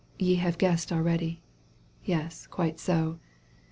Ye Have guessed already. Yes, quite so